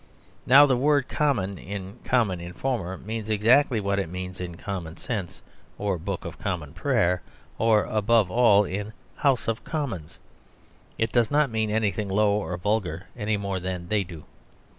Now the word "common" in "Common Informer" means exactly what it means in "common sense" or "Book of Common Prayer," or (above all) in "House of Commons." It does not mean anything low or vulgar; any more than they do.